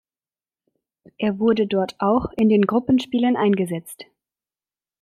Er wurde dort auch in den Gruppenspielen eingesetzt.